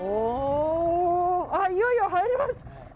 いよいよ入ります！